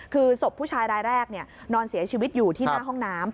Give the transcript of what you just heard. คือศพผู้ชายรายแรกนอนเสียชีวิตอยู่ที่หน้าห้องน้ำ